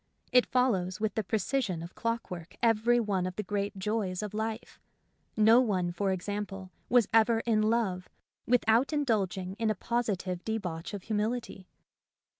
It follows with the precision of clockwork every one of the great joys of life. No one, for example, was ever in love without indulging in a [6s] A Defe'nce of Humility positive debauch of humility.